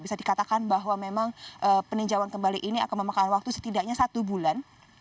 bisa dikatakan bahwa memang peninjauan kembali ini akan memakan waktu setidaknya satu bulan